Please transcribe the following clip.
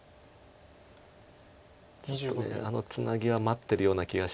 ちょっとあのツナギは待ってるような気がして。